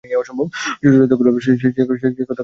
সুচরিতা কহিল, সে কথা কেন আমাকে জিজ্ঞাসা করছেন?